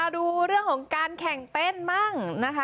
ดูเรื่องของการแข่งเต้นบ้างนะคะ